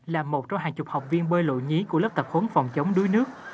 là một trong hàng chục học viên bơi lộ nhí của lớp tập huấn phòng chống đuối nước